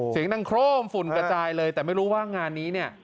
เสียงดังโครมฝุ่นกระจายเลยแต่ไม่รู้ว่างานนี้เนี่ย